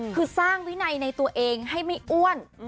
คือสร้างวินัยในตัวเองให้ไม่อ้วน